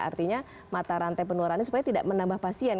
artinya mata rantai penularannya supaya tidak menambah pasien